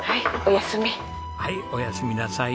はいおやすみなさい。